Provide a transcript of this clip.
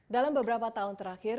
dalam beberapa tahun terakhir